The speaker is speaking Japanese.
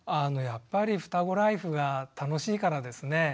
やっぱりふたごライフが楽しいからですね。